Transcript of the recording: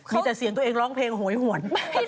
มีแต่เสียงตัวเองร้องเพลงโหยหวน